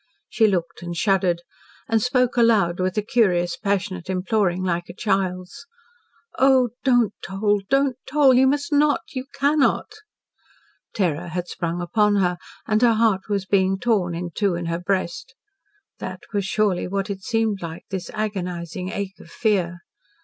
She looked and shuddered, and spoke aloud with a curious, passionate imploring, like a child's. "Oh, don't toll! Don't toll! You must not! You cannot!" Terror had sprung upon her, and her heart was being torn in two in her breast. That was surely what it seemed like this agonising ache of fear.